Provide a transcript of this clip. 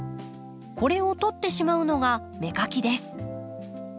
これを取ってしまうのが芽かきです。